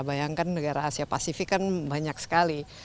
bayangkan negara asia pasifik kan banyak sekali